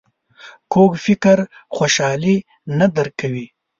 کوږ فکر خوشحالي نه درک کوي